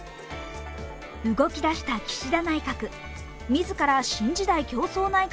動きだした岸田内閣。